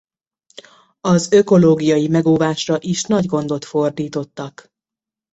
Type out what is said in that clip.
Az ökológiai megóvásra is nagy gondot fordítottak.